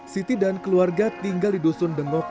siti dan keluarga tinggal di dusun dengok